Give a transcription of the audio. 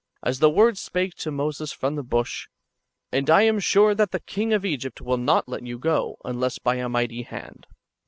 As the Word spake to Moses from the bush :" And I am sure that the king of Egypt will not let you go, unless by a mighty hand."